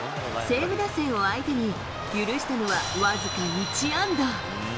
西武打線を相手に、許したのは僅か１安打。